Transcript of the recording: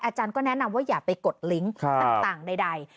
อาจารย์ก็แนะนำว่าอย่าไปกดลิงก์ต่างใด